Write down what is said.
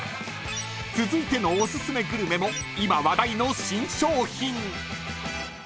［続いてのお薦めグルメも今話題の新商品］